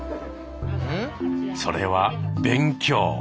それは「勉強」。